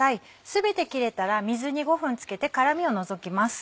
全て切れたら水に５分漬けてからみを除きます。